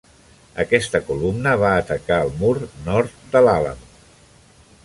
Aquesta columna va atacar el mur nord de l'Àlamo.